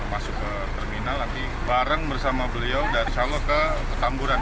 masuk ke terminal nanti bareng bersama beliau dari salo ke petamburan